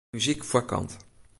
Muzyk foarkant.